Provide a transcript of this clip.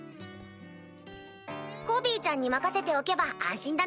コビーちゃんに任せておけば安心だな。